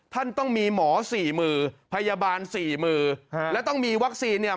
ท่านต้องมีหมอสี่มือพยาบาลสี่มือฮะและต้องมีวัคซีนเนี่ย